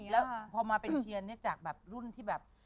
แล้วพอมาเป็นเชียร์เนี่ยจากแบบรุ่นที่แบบ